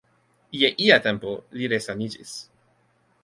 Je ia tempo li resaniĝis.